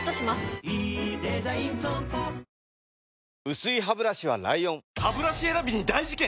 薄いハブラシは ＬＩＯＮハブラシ選びに大事件！